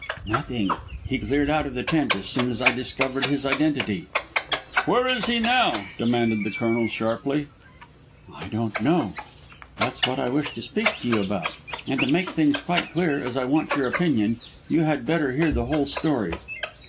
"Nothing. He cleared out of the tent as soon as I discovered his identity." "Where is he now?" demanded the Colonel sharply. "I don't know. That's what I wish to speak to you about. And, to make things quite clear, as I want your opinion, you had better hear the whole story."